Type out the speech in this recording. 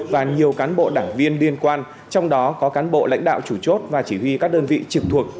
và nhiều cán bộ đảng viên liên quan trong đó có cán bộ lãnh đạo chủ chốt và chỉ huy các đơn vị trực thuộc